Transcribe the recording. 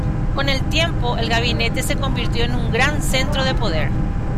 Con el tiempo el gabinete se convirtió en un gran centro de poder.